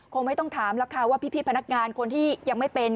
คงไม่ต้องถามหรอกค่ะว่าพี่พนักงานคนที่ยังไม่เป็น